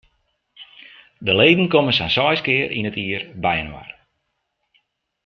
De leden komme sa'n seis kear yn it jier byinoar.